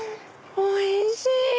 おいしい！